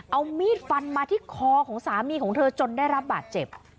เอามีดฟันมาที่คอของสามีของเธอจนได้รับบาดเจ็บ